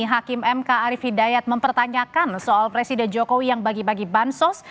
hakim mk arief hidayat mempertanyakan soal presiden jokowi yang bagi bagi bansos